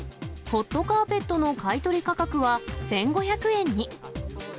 ホットカーペットの買い取り価格は１５００円に。